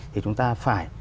thì chúng ta phải